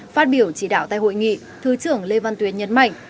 phát biểu chỉ đạo tại hội nghị thứ trưởng lê văn tuyến nhấn mạnh